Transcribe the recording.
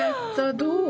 どう？